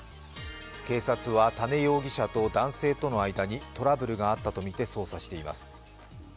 警察は多禰容疑者と男性との間にトラブルがあったとみて捜査しています。